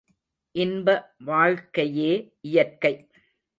இன்ப வாழ்க்கையே இயற்கை.